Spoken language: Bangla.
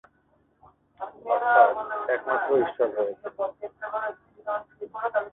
অর্থাৎ একমাত্র ঈশ্বর রয়েছে।